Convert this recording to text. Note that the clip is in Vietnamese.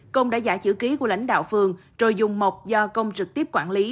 công đã giả chữ ký của lãnh đạo phường rồi dùng mọc do công trực tiếp quản lý